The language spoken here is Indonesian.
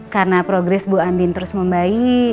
karena progres bu andin terus membaik